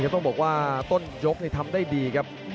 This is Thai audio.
ต้องบอกว่าต้นยกทำได้ดีครับ